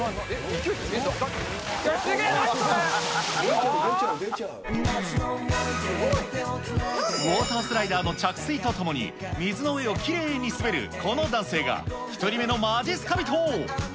勢い、ウォータースライダーの着水とともに、水の上をきれいに滑るこの男性が、１人目のまじっすか人。